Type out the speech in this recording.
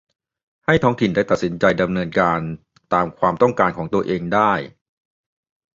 ให้ท้องถิ่นได้ตัดสินใจดำเนินการตามความต้องการของตัวเองได้